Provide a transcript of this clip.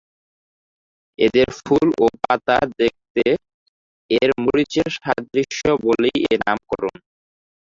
এদের ফুল ও পাতা দেখতে এর মরিচের সাদৃশ্য বলেই এ নামকরণ।